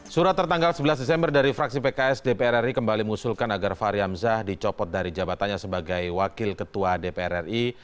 surat tertanggal sebelas desember dari fraksi pks dpr ri kembali mengusulkan agar fahri hamzah dicopot dari jabatannya sebagai wakil ketua dpr ri